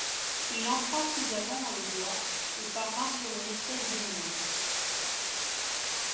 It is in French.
Il entra plus avant dans le bois et parvint sur une espèce d’éminence.